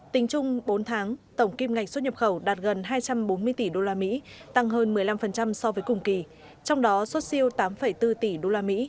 tính chung bốn tháng tổng kim ngạch xuất nhập khẩu đạt gần hai trăm bốn mươi tỷ usd tăng hơn một mươi năm so với cùng kỳ trong đó xuất siêu tám bốn tỷ usd